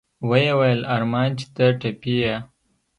ويې ويل ارمان چې ته ټپي يې.